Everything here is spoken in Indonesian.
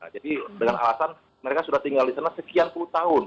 jadi dengan alasan mereka sudah tinggal di sana sekian puluh tahun